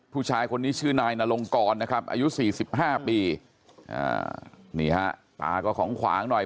ผู้ชายคนนี้ชื่อนายนลงกรนะครับอายุ๔๕ปีนี่ฮะตาก็ของขวางหน่อย